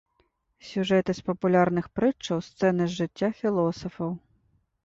Сюжэты з папулярных прытчаў, сцэны з жыцця філосафаў.